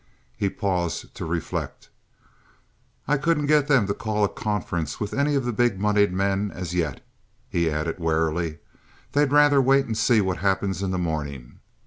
He paused to reflect. "I couldn't get them to call a conference with any of the big moneyed men as yet," he added, warily. "They'd rather wait and see what happens in the mornin'.